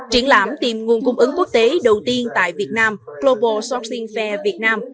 triển lãm tìm nguồn cung ứng quốc tế đầu tiên tại việt nam global shoping fair việt nam